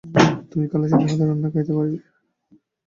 তুমি খালাসিদের হাতের রান্না খাইতে পারিবে?